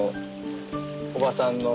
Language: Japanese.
おばさんの。